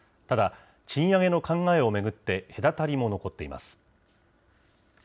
ただ、賃上げの考えを巡って隔たりも残っています。